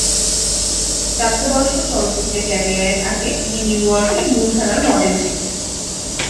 প্রাপ্ত বয়স্ক চলচ্চিত্রের ক্যারিয়ারের আগে তিনি নিউইয়র্কের মূলধারার মডেল ছিলেন।